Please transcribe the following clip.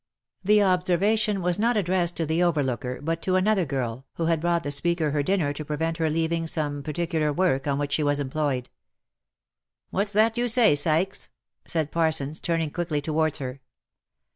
The observation was not OF MICHAEL ARMSTRONG. 309 addressed to the overlooker, but to another girl, who had brought the speaker her dinner to prevent her leaving some particular work on which she was employed. " What's that you say, Sykes?" said Parsons, turning quickly to wards her.